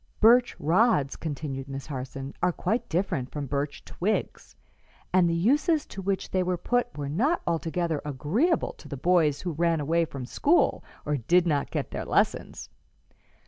"Birch rods," continued Miss Harson, "are quite different from birch twigs, and the uses to which they were put were not altogether agreeable to the boys who ran away from school or did not get their lessons.